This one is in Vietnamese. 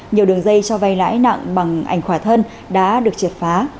nhiều đường dây cho vay lãi nặng bằng ảnh khỏa thân đã được triệt phá